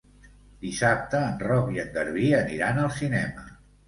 Dissabte en Roc i en Garbí aniran al cinema.